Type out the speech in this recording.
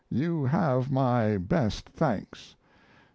You have my best thanks.